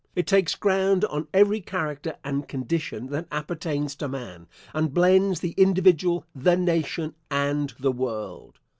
It takes ground on every character and condition that appertains to man, and blends the individual, the nation, and the world.